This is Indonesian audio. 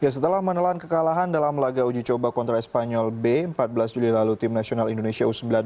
setelah menelan kekalahan dalam laga uji coba kontra espanyol b empat belas juli lalu tim nasional indonesia u sembilan belas